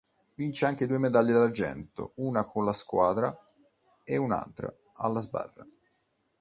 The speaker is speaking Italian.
Vince anche due medaglie d'argento: una con la squadra e una alla sbarra.